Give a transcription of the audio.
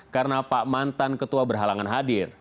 karena pak mantan ketua berhalangan hadir